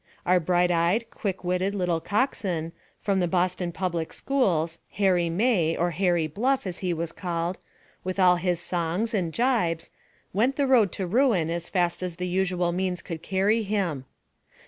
Our bright eyed, quick witted little cockswain, from the Boston public schools, Harry May, or Harry Bluff, as he was called, with all his songs and gibes, went the road to ruin as fast as the usual means could carry him.